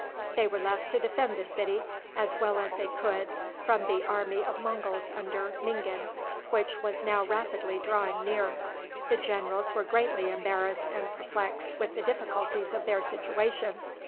They were left to defend the city as well as they could from the army of Monguls under Mingan, which was now rapidly drawing near. The generals were greatly embarrassed and perplexed with the difficulties of their situation.